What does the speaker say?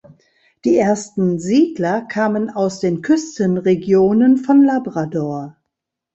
Die ersten Siedler kamen aus den Küstenregionen von Labrador.